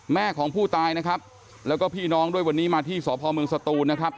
แม่ของผู้ตายนะครับแล้วก็พี่น้องด้วยวันนี้มาที่สพเมืองสตูนนะครับ